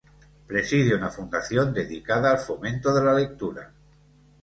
Preside una fundación dedicada al fomento de la lectura.